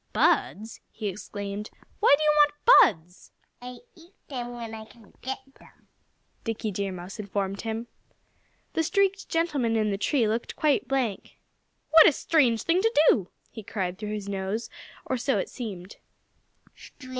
"Buds!" he exclaimed. "Why do you want buds?" "I eat them when I can get them," Dickie Deer Mouse informed him. The streaked gentleman in the tree looked quite blank. "What a strange thing to do!" he cried through his nose or so it seemed.